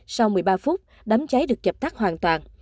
sau một mươi ba phút đám cháy được chập tắt hoàn toàn